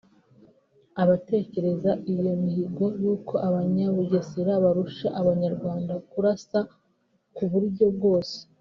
abatekerereza iyo mihigo y’uko Abanyabugesera barusha Abanyarwanda kurasa ku buryo bwose